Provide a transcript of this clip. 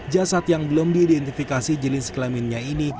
jasad yang belum diidentifikasi jilin sekelaminnya ini